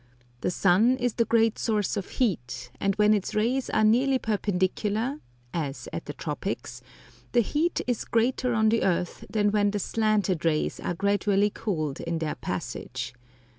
The sun is the great source of heat, and when its rays are nearly perpendicular as at the Tropics the heat is greater on the earth than when the slanted rays are gradually cooled in their passage.